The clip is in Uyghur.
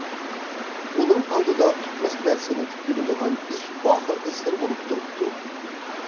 ئۇنىڭ ئالدىدا پۈتمەس نەرسىنى پۈتتۈرىدىغان ئىش ئاخىرقى سىر بولۇپ تۇرۇپتۇ.